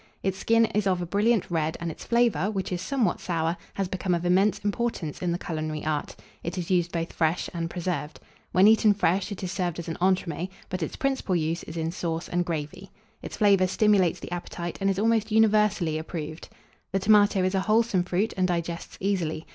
Its skin is of a brilliant red, and its flavour, which is somewhat sour, has become of immense importance in the culinary art. It is used both fresh and preserved. When eaten fresh, it is served as an entremets; but its principal use is in sauce and gravy; its flavour stimulates the appetite, and is almost universally approved. The Tomato is a wholesome fruit, and digests easily.